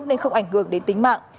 nên không ảnh hưởng đến tính mạng